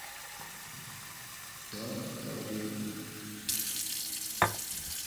Dowotodewo.